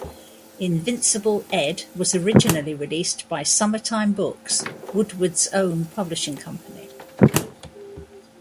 "Invincible Ed" was originally released by Summertime Books, Woodward's own publishing company.